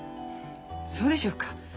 そうでしょうか。